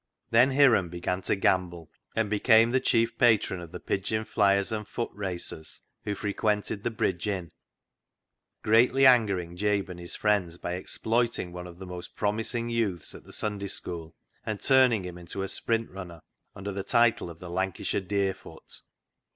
Then Hiram began to gamble, and became the chief patron of the pigeon fliers and foot racers who frequented the Bridge Inn, greatly angering Jabe and his friends by exploiting one of the most promising youths at the Sunday School, and turning him into a sprint runner under the title of " the Lancashire Deerfoot."